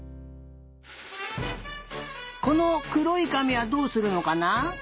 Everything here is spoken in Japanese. このくろいかみはどうするのかな？